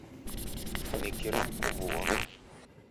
Funikira mkuvu ghwako.